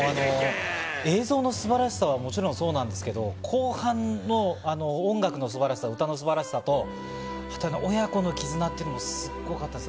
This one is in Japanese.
映像の素晴らしさはもちろんそうなんですけど、後半の音楽の素晴らしさ、歌の素晴らしさと、親子のきずなってのも、すごかったです。